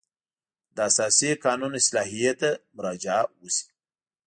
د اساسي قانون اصلاحیې ته مراجعه وشي.